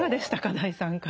第３回。